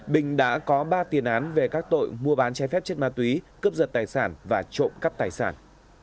bình đã có ba tiền án về các tội mua bán trái phép chất ma túy cướp giật tài sản và trộm cắp tài sản